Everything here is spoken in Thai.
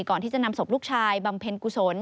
ก่อนที่จะนำศพลูกชายบำเพ็ญกุศล